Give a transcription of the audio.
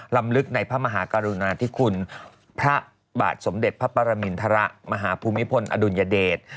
ลำลึกในพระมหากรุณาธิคุณพระบาทสมเด็จพระปรมินทรมาหาภูมิพลอดุลยเดช